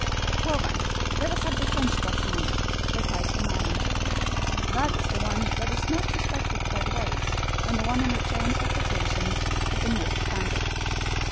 "Well, then, let us have the French document," replied Glenarvan. "That is the one that is most respected by the waves, and the one on which our interpretations have been mostly founded."